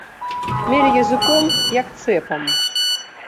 Меле языком, як цэпам.